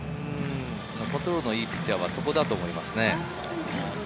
コントロールのいいピッチャーはそこだと思います。